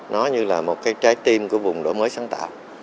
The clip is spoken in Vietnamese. nó như là một cái trái tim của vùng đổi mới sáng tạo